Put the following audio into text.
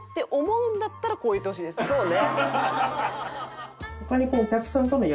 そうね。